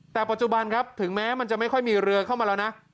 แต่ปัจจุบันครับถึงแม้มันจะไม่ค่อยมีเรือเข้ามาแล้วนะ